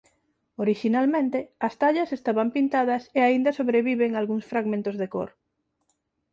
Orixinalmente as tallas estaban pintadas e aínda sobreviven algúns fragmentos de cor.